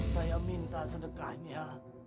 saya minta sedekahnya